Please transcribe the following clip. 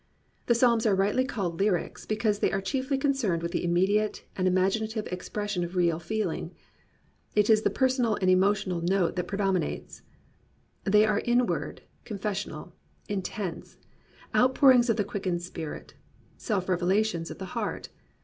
The Psalms are rightly called lyrics because they are chiefly concerned with the immediate and imagina tive expression of real feeling. It is the personal and emotional note that predominates. They are inward, confessional, intense; outpourings of the quickened spirit; self revelations of the heart.